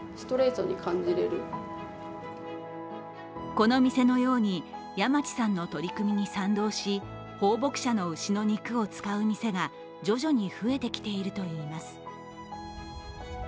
この店のように、山地さんの取り組みに賛同し宝牧舎の牛の肉を使う店が徐々に増えてきているといいます。